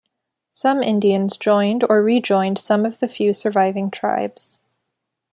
Some Indians joined or re-joined some of the few surviving tribes.